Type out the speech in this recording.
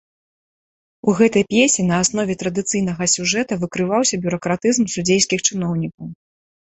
У гэтай п'есе на аснове традыцыйнага сюжэта выкрываўся бюракратызм судзейскіх чыноўнікаў.